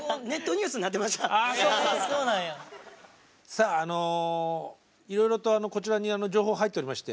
さああのいろいろとこちらに情報入っておりまして。